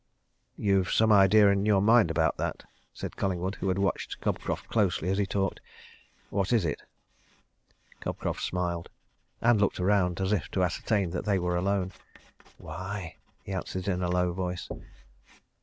"You've some idea in your mind about that," said Collingwood, who had watched Cobcroft closely as he talked. "What is it?" Cobcroft smiled and looked round as if to ascertain that they were alone. "Why!" he answered in a low voice.